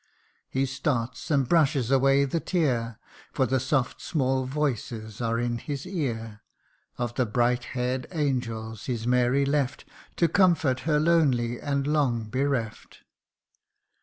He starts, and brushes away the tear ; For the soft small voices are in his ear, Of the bright hair'd angels his Mary left To comfort her lonely and long bereft.